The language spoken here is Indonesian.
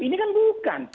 ini kan bukan